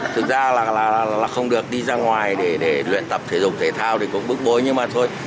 thực ra là không được đi ra ngoài để luyện tập thể dục thể thao cũng bức bối